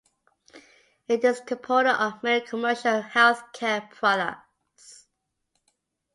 It is a component of many commercial healthcare products.